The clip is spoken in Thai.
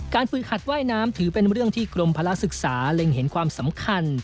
การปืดขัดว่ายน้ำถือเป็นเรื่องที่กรมพลักษณ์ศึกษาเร็งเห็นความสำคัญ